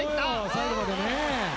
最後までね。